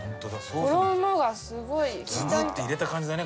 衣がすごい！ズブッて入れた感じだね